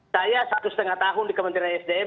saya satu setengah tahun di kementerian sdm